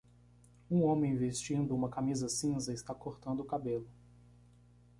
Um homem vestindo uma camisa cinza está cortando o cabelo.